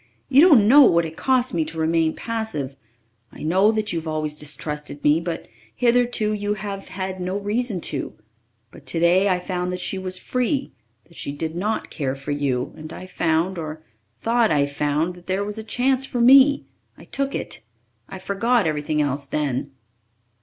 You don't know what it cost me to remain passive. I know that you have always distrusted me, but hitherto you have had no reason to. But today I found that she was free that she did not care for you! And I found or thought I found that there was a chance for me. I took it. I forgot everything else then."